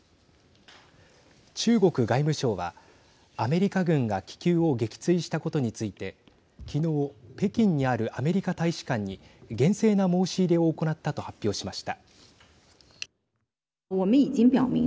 中国外務省はアメリカ軍が気球を撃墜したことについて昨日北京にあるアメリカ大使館に厳正な申し入れを行ったと発表しました。